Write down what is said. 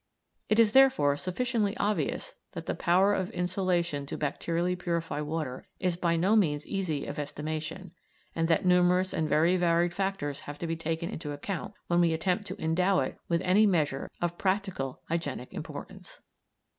It is, therefore, sufficiently obvious that the power of insolation to bacterially purify water is by no means easy of estimation, and that numerous and very varied factors have to be taken into account when we attempt to endow it with any measure of practical hygienic importance.